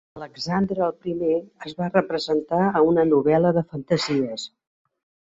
Alexandre el Primer es va representar a una novel·la de fantasies.